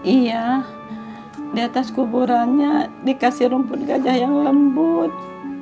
iya di atas kuburannya dikasih rumput gajah yang lembut